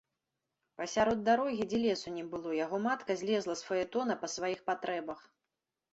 Пасярод дарогі, дзе лесу не было, яго матка злезла з фаэтона па сваіх патрэбах.